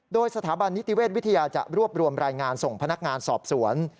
โดยสถาบันนิติเวชวิทยาจะรวบรวมรายงานส่งพนักงานสอบสวน